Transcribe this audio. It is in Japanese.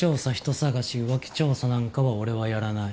捜し浮気調査なんかは俺はやらない。